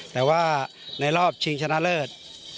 แต่ว่าในรอบชิงชนะเลิศ